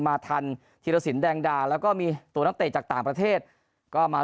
มาทันทีรสินแดงดาแล้วก็มีตัวนักเตะจากต่างประเทศก็มา